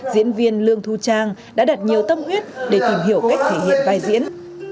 diễn viên lương thu trang đã đặt nhiều tâm huyết để tìm hiểu cách thể hiện vai diễn